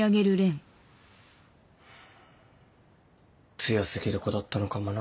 強過ぎる子だったのかもな。